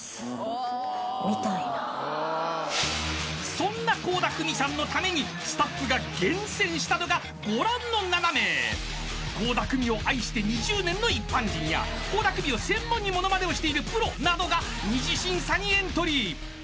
［そんな倖田來未さんのためにスタッフが厳選したのがご覧の７名］［倖田來未を愛して２０年の一般人や倖田來未を専門にモノマネをしているプロなどが二次審査にエントリー］